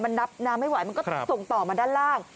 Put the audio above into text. มันนับน้ำไม่ไหวมันก็ส่งต่อมาด้านล่าง